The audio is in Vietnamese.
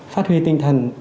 phát huy tinh thần